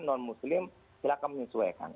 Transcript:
non muslim silahkan menyesuaikan